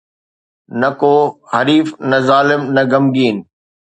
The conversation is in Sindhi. نه ڪو حريف، نه ظالم، نه غمگين